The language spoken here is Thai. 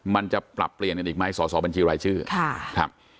มันจะปรับเปลี่ยนกันอีกไหมสอสอบัญชีรายชื่อครับ